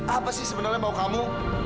apa sih sebenarnya mau kamu